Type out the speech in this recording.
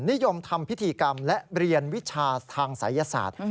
นิยมทำพิธีกรรมและเรียนวิชาทางศัยศาสตร์